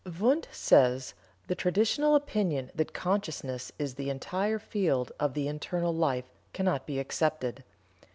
Wundt says: "The traditional opinion that consciousness is the entire field of the internal life cannot be accepted.